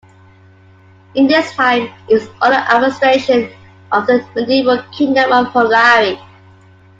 In this time, it was under administration of the medieval Kingdom of Hungary.